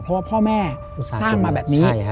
เพราะว่าพ่อแม่สร้างมาแบบนี้